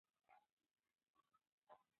روسیه هم خپلي ګټي لري.